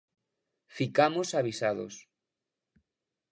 Ficamos avisados.